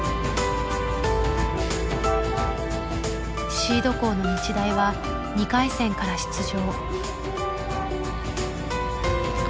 シード校の日大は２回戦から出場。